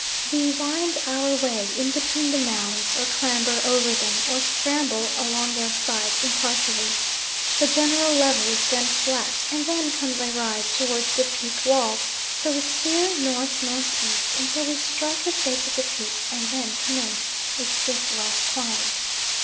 We wind our way in between the mounds, or clamber over them, or scramble along their sides impartially. The general level is then flat, and then comes a rise towards the peak wall, so we steer N.N.E. until we strike the face of the peak, and then commence a stiff rough climb.